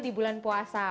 di bulan puasa